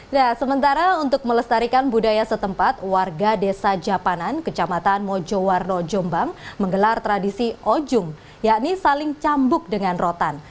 nah sementara untuk melestarikan budaya setempat warga desa japanan kecamatan mojowarno jombang menggelar tradisi ojung yakni saling cambuk dengan rotan